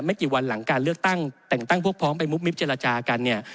กี่วันหลังการเลือกตั้งแต่งตั้งพวกพร้อมไปมุบมิบเจรจากันเนี่ย